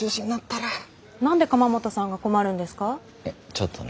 ちょっとね。